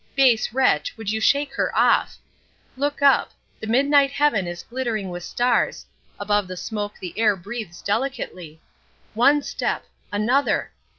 Base wretch, would you shake her off! Look up; the midnight heaven is glittering with stars; above the smoke the air breathes delicately! One step another!